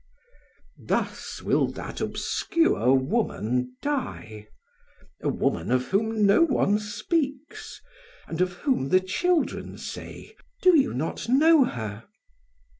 Thus will that obscure woman die, a woman of whom no one speaks and of whom the children say: "Do you not know her?"